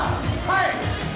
はい！